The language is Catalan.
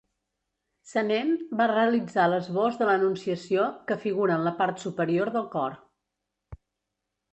Senent va realitzar l'esbós de l'Anunciació, que figura en la part superior del cor.